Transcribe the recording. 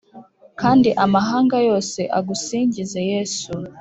Kandi amahanga yose agusingize yesu